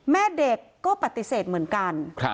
แม่เด็กก็ปฏิเสธเหมือนกัน